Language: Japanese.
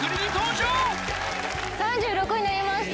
３６になりました。